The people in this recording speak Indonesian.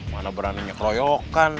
mana beraninya keroyokan